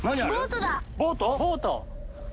ボート